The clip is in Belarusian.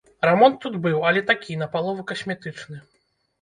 Рамонт тут быў, але такі, напалову касметычны.